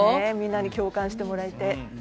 みんなに共感してもらえて。